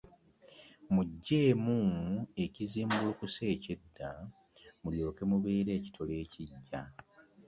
Muggyeemu ekizimbulukusa eky'edda, mulyoke mubeere ekitole ekiggya.